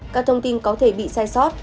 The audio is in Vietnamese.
các thông tin có thể bị sai sót